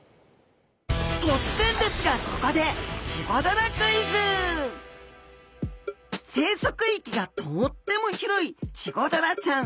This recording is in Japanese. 突然ですがここで生息域がとっても広いチゴダラちゃん。